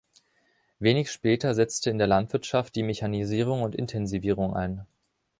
Wenig später setzte in der Landwirtschaft die Mechanisierung und Intensivierung ein.